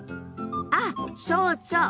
あっそうそう！